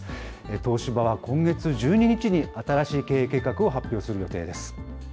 東芝は今月１２日に新しい経営計画を発表する予定です。